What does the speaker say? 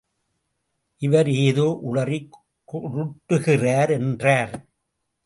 இவர் ஏதோ உளறிக் கொட்டுகிறார் என்றார்.